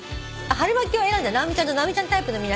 「春巻」を選んだ直美ちゃんと直美ちゃんタイプの皆さん